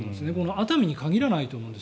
熱海に限らないと思うんです。